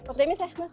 optimis ya mas